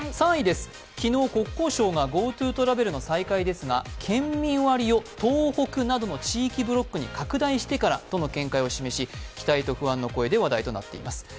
３位です、昨日、国交省がＧｏＴｏトラベルの再開ですが県民割を東北などの地域ブロックに拡大してからとの警戒を示し、期待と不安の声で話題となっております。